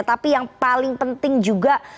tapi yang paling penting juga